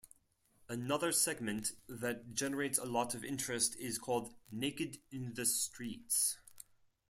Another segment that generates a lot of interest is called Naked In The Streets.